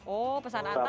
oh pesan antar bisa ya